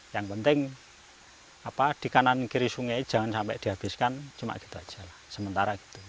yang penting di kanan kiri sungai jangan sampai dihabiskan cuma gitu aja